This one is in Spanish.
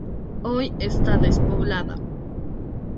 Hoy está despoblada.